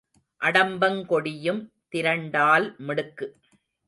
அடம்பங்கொடியும் திரண்டால் மிடுக்கு.